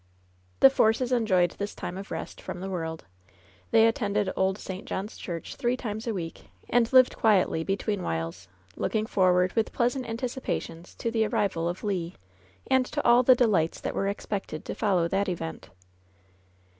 The Forces enjoyed this time of rest from the world. They attended old St. John's Church three times a week, and lived quietly between whiles, looking forward with pleasant anticipations to the arrival of Le, and to all the delights that were expected to follow that event.